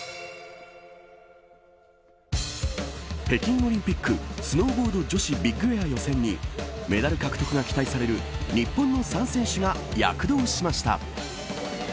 北京オリンピックスノーボード女子ビッグエア予選にメダル獲得が期待される日本の３選手が躍動しました。